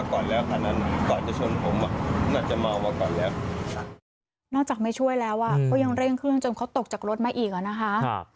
นอกจากไม่ช่วยแล้วก็ยังเร่งเครื่องจนเขาตกจากรถมาอีกอ่ะนะคะ